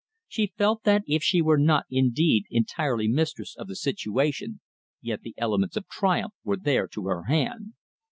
She felt that if she were not indeed entirely mistress of the situation, yet the elements of triumph were there to her hand.